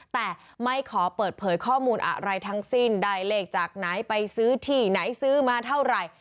แต่ไม่ขอเปิดเผยข้อมูลอะไรทั้งสิ้นได้เลขจากไหนไปซื้อที่ไหนซื้อมาเท่าไหร่